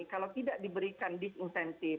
kalau tidak diberikan disintensif